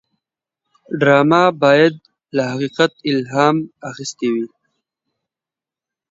ډرامه باید له حقیقت الهام اخیستې وي